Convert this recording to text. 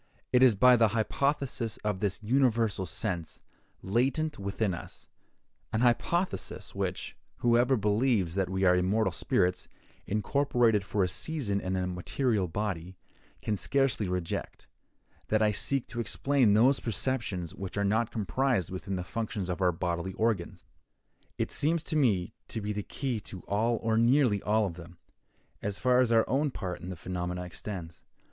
It is by the hypothesis of this universal sense, latent within us—an hypothesis which, whoever believes that we are immortal spirits, incorporated for a season in a material body, can scarcely reject—that I seek to explain those perceptions which are not comprised within the functions of our bodily organs. It seems to me to be the key to all or nearly all of them, as far as our own part in the phenomena extends.